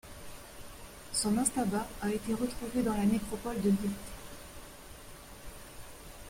Son mastaba a été retrouvé dans la nécropole de Licht.